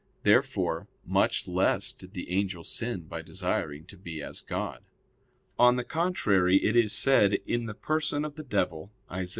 Therefore much less did the angel sin by desiring to be as God. On the contrary, It is said, in the person of the devil (Isa.